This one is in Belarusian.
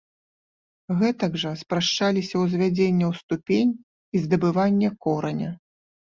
Гэтак жа спрашчаліся ўзвядзенне ў ступень і здабыванне кораня.